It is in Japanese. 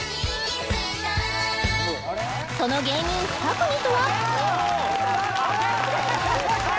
その芸人２組とは？